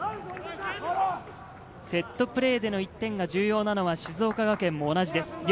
セットプレーでの１点が重要なのは静岡学園も同じです。